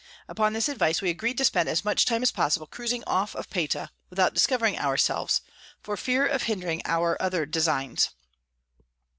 Upon this Advice we agreed to spend as much time as possible cruising off of Payta, without discovering our selves, for fear of hindring our other Designs.